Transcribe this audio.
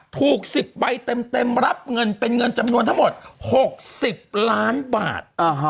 ถูก๑๐ใบเต็มรับเงินเป็นเงินจำนวนทั้งหมด๖๐ล้านบาท